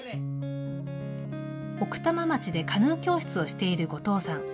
奥多摩町でカヌー教室をしている後藤さん。